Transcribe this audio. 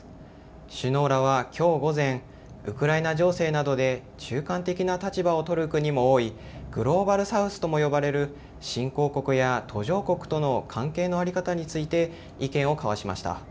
首脳らはきょう午前、ウクライナ情勢などで中間的な立場を取る国も多いグローバル・サウスとも呼ばれる新興国や途上国との関係の在り方について意見を交わしました。